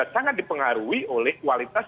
sangat dipengaruhi oleh kualitas